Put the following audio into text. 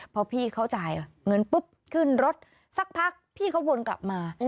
พอพี่เขาจ่ายเงินปุ๊บขึ้นรถสักพักพี่เขาวนกลับมา